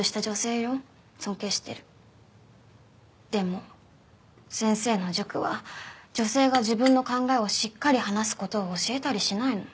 でも先生の塾は女性が自分の考えをしっかり話す事を教えたりしないの。